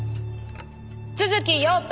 都築耀太。